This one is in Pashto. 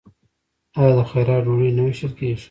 آیا د خیرات ډوډۍ نه ویشل کیږي؟